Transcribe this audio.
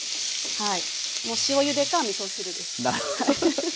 はい。